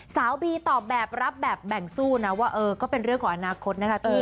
สาวบีตอบแบบรับแบบแบ่งสู้นะว่าเออก็เป็นเรื่องของอนาคตนะคะพี่